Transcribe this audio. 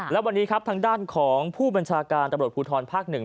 และวันนี้ครับทางด้านของผู้บัญชาการตำรวจภูทรภาค๑